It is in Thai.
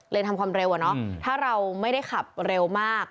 ทำความเร็วอะเนาะถ้าเราไม่ได้ขับเร็วมาก